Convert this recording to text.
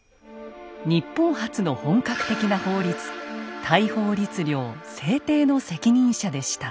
日本初の本格的な法律大宝律令制定の責任者でした。